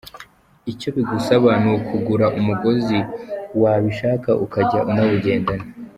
Icyo bigusaba ni ukugura umugozi, wabishaka ukajya unawugendana.